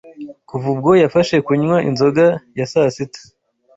Kuva ubwo yafashe kunywa inzoga ya sasita